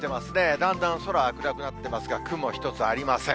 だんだん空は暗くなってますが、雲一つありません。